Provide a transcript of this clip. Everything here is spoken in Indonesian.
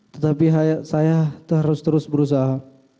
tetapi saya terus terus berusaha